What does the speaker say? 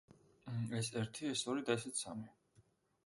ეს ერთი, ეს ორი და ესეც სამი.